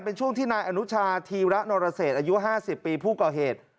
เป็นช่วงที่นายอนุชาธีระนรเศษอายุ๕๐ปีผู้ก่อเหตุ